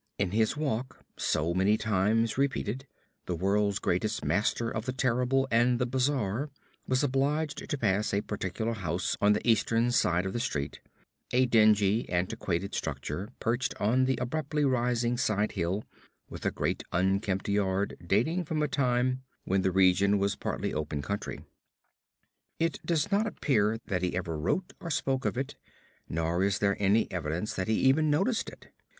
In this walk, so many times repeated, the world's greatest master of the terrible and the bizarre was obliged to pass a particular house on the eastern side of the street; a dingy, antiquated structure perched on the abruptly rising side hill, with a great unkempt yard dating from a time when the region was partly open country. It does not appear that he ever wrote or spoke of it, nor is there any evidence that he even noticed it.